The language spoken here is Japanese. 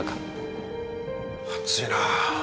暑いな。